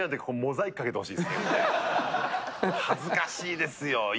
これ恥ずかしいですよ